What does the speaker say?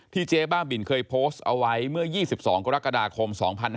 เจ๊บ้าบินเคยโพสต์เอาไว้เมื่อ๒๒กรกฎาคม๒๕๕๙